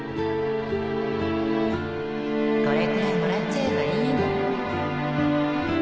これくらいもらっちゃえばいいの